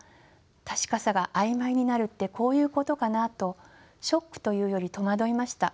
確かさが曖昧になるってこういうことかな」とショックというより戸惑いました。